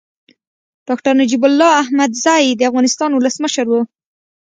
ډاکټر نجيب الله احمدزی د افغانستان ولسمشر و.